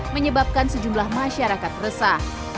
menyebabkan sejumlah masyarakat resah